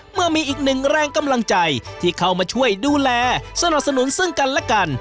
เมื่อมีอีกหนึ่งแรงกำลังใจที่เข้ามาช่วยดูแลสนับสนุนซึ่งกันและกัน